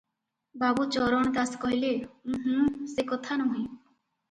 ବାବୁ ଚରଣ ଦାସ କହିଲେ-ଉଁ-ହୁଁ, ସେ କଥା ନୁହେ ।